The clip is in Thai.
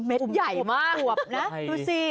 เอออุ้มกวบนะดูสิ